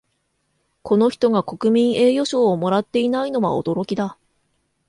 この人が国民栄誉賞をもらっていないのは驚きだ